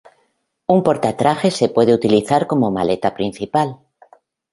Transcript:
Un porta-trajes se puede utilizar como maleta principal.